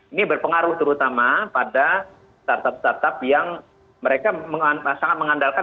ini berpengaruh terutama pada startup startup yang mereka sangat mengandalkan